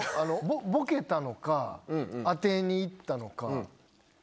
ボケたのか当てに行ったのか。